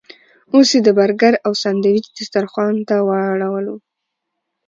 اوس یې د برګر او ساندویچ دسترخوان ته واړولو.